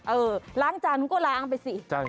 เออล้างจานก็ล้างไปสิใช่